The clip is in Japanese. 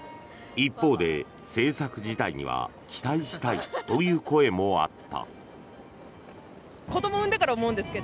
一方で政策自体には期待したいという声もあった。